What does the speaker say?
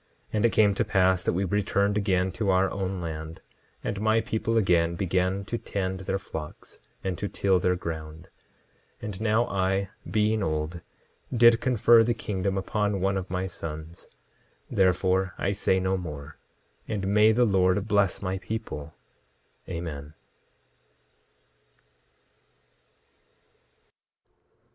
10:21 And it came to pass that we returned again to our own land, and my people again began to tend their flocks, and to till their ground. 10:22 And now I, being old, did confer the kingdom upon one of my sons; therefore, I say no more. And may the Lord bless my people. Amen.